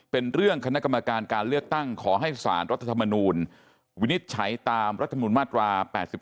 เป็นเรื่องคณะกรรมการการเลือกตั้งขอให้สารรัฐธรรมนูลวินิจฉัยตามรัฐมนุนมาตรา๘๔